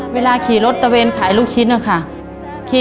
เวลาขี่รถตะเวนขายลูกชิ้นอะค่ะ